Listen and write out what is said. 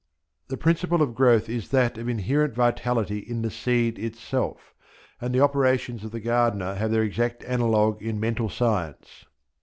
The principle of growth is that of inherent vitality in the seed itself, and the operations of the gardener have their exact analogue in Mental Science.